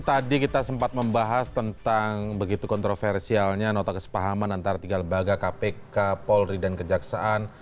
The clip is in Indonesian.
jadi kita sempat membahas tentang begitu kontroversialnya nota kesepahaman antara tiga lembaga kpk polri dan kejaksaan